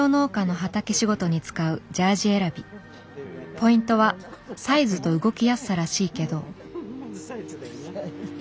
ポイントはサイズと動きやすさらしいけど。